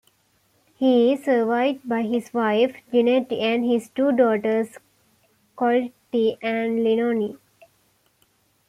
He is survived by his wife Ginette and his two daughters, Colette and Leonie.